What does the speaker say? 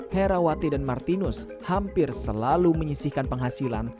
herawati dan martinus hampir selalu menyisihkan penghasilan